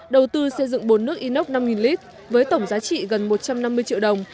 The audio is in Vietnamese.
đầu tư xây dựng bốn nước inox năm lít với tổng giá trị gần một trăm năm mươi triệu đồng